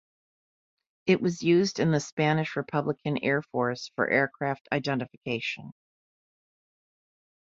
It was used in the Spanish Republican Air Force for aircraft identification.